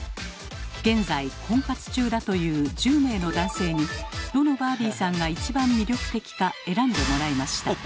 現在婚活中だという１０名の男性にどのバービーさんが一番魅力的か選んでもらいました。